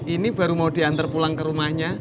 ini baru mau diantar pulang ke rumahnya